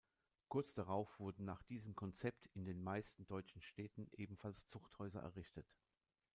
Kurz darauf wurden nach diesem Konzept in den meisten deutschen Städten ebenfalls Zuchthäuser errichtet.